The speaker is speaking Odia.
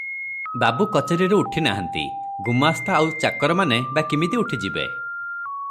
ବାବୁ କଚେରିରୁ ଉଠି ନାହାନ୍ତି, ଗୁମାସ୍ତା ଆଉ ଆଉ ଚାକରମାନେ ବା କିମିତି ଉଠିଯିବେ?